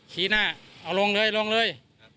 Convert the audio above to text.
ชี้หน้าเอาลงเลยลงเลย